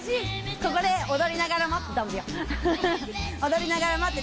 ここで踊りながら待ってたんだよフフフ。